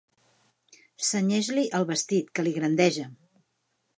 Cenyeix-li el vestit, que li grandeja.